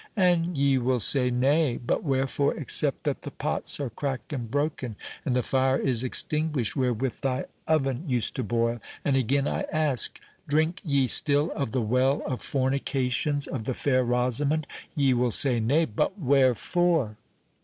and ye will say, Nay;—but wherefore, except that the pots are cracked and broken, and the fire is extinguished wherewith thy oven used to boil? And again, I ask, drink ye still of the well of fornications of the fair Rosamond?—ye will say, Nay;—but wherefore?"